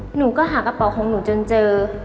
หนูก็หากระเป๋าของหนูจนเจอ